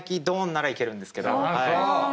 ならいけるんですけど。